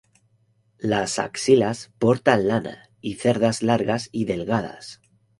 Las axilas portan lana y cerdas largas y delgadas.